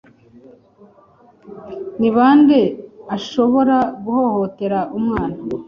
Ni ba nde ashobora guhohotera umwana